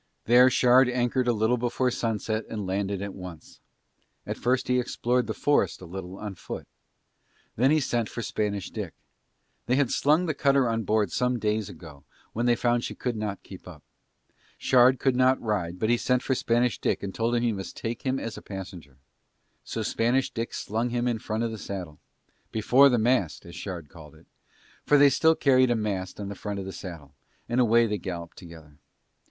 There Shard anchored a little before sunset and landed at once. At first he explored the forest a little on foot. Then he sent for Spanish Dick. They had slung the cutter on board some days ago when they found she could not keep up. Shard could not ride but he sent for Spanish Dick and told him he must take him as a passenger. So Spanish Dick slung him in front of the saddle "before the mast" as Shard called it, for they still carried a mast on the front of the saddle, and away they galloped together.